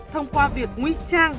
thông qua việc nguy trang